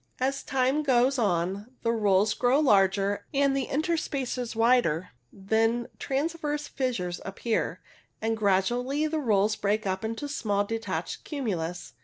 As time goes on the rolls grow larger and the interspaces wider ; then transverse fissures appear, and gradually the rolls break up into small detached cumulus.